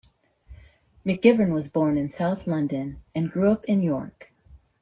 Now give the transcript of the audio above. McGivern was born in South London and grew up in York.